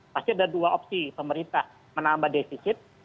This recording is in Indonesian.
pasti ada dua opsi pemerintah menambah defisit